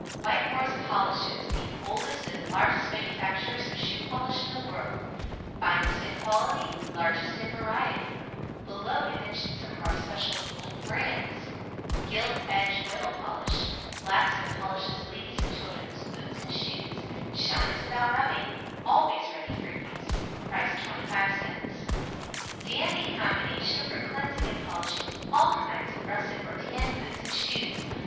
WHITTEMORE'S POLISHES THE OLDEST AND LARGEST MANUFACTURERS OF SHOE POLISH IN THE WORLD FINEST IN QUALITY LARGEST IN VARIETY Below we mention some of our Special Brands: "GILT EDGE" Oil Polish Blacks and polishes ladies' and children's boots and shoes; SHINES WITHOUT RUBBING; always READY for use. Price 25c. "DANDY" Combination for cleansing and polishing ALL kinds of russet or tan boots and shoes.